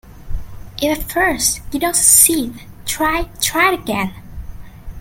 If at first you don't succeed, try, try again.